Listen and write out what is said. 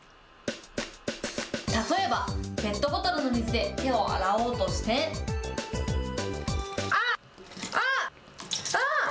例えば、ペットボトルの水で手を洗おうとして、あっ、あっ、あー。